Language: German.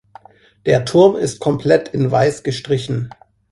Der Turm ist komplett in Weiß gestrichen.